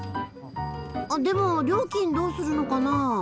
あでも料金どうするのかな？